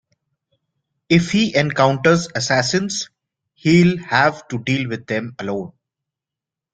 If he encounters assassins, he'll have to deal with them alone.